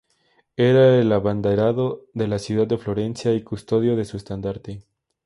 Era el abanderado de la ciudad de Florencia y custodio de su estandarte.